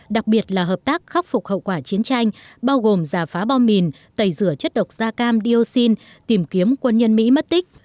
đặc biệt là hợp tác khắc phục hậu quả chiến tranh bao gồm giả phá bom mìn tẩy rửa chất độc da cam dioxin tìm kiếm quân nhân mỹ mất tích